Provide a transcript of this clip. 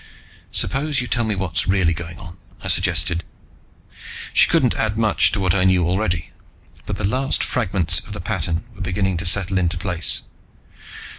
"Suppose you tell me what's really going on," I suggested. She couldn't add much to what I knew already, but the last fragments of the pattern were beginning to settle into place.